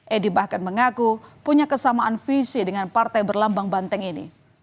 edi bahkan mengaku punya kesamaan visi dengan partai berlambang banteng ini